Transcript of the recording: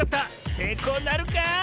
せいこうなるか？